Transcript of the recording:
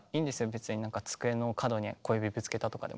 別になんか机の角に小指ぶつけたとかでも。